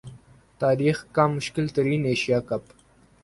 تاریخ کا مشکل ترین ایشیا کپ